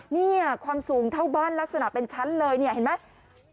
นี่ความสูงเท่าบ้านลักษณะเป็นชั้นเลยเนี่ยเห็นไหม